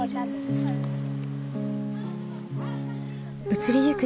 移りゆく